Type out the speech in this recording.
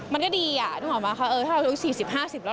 มันก็ดีอ่ะถ้าเรา๔๐๕๐แล้ว